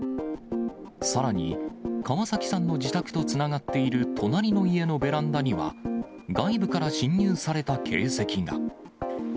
さらに、川崎さんの自宅とつながっている隣の家のベランダには、外部から侵入された形跡が。